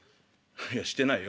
「いやしてないよ。